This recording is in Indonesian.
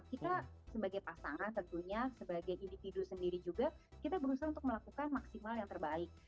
kita sebagai pasangan tentunya sebagai individu sendiri juga kita berusaha untuk melakukan maksimal yang terbaik